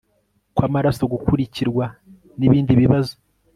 kw'amaraso gukurikirwa n'ibindi bibazo